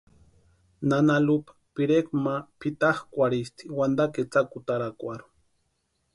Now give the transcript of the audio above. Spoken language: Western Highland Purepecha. Nana Lupa pirekwa ma pʼitakwʼarhisti wantakwa etsakutarakwarhu.